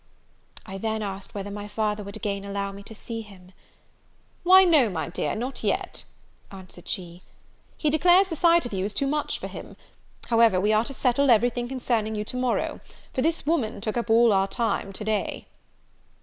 I then asked whether my father would again allow me to see him! "Why, no, my dear, not yet," answered she; "he declares the sight of you is too much for him: however, we are to settle everything concerning you to morrow; for this woman took up all our time to day."